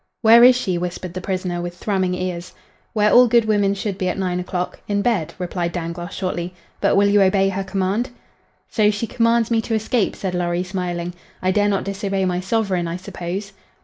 "Where is she?" whispered the prisoner, with thrumming ears. "Where all good women should be at nine o'clock in bed," replied Dangloss, shortly. "But will you obey her command?" "So she commands me to escape!" said Lorry, smiling. "I dare not disobey my sovereign, I suppose."